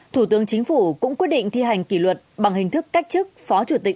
thủ tướng chính phủ cũng quyết định thi hành kỷ luật bằng hình thức cách chức phó chủ tịch